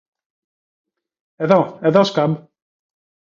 Εδώ! Εδώ, Σκαμπ!